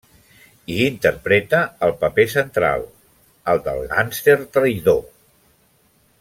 Hi interpreta el paper central, el del gàngster traïdor.